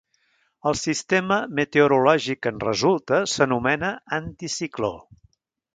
El sistema meteorològic que en resulta s'anomena anticicló.